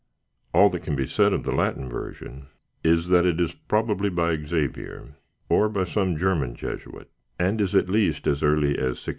All that can be said of the Latin version is that it is probably by Xavier, or by some German Jesuit, and is at least as early as 1668.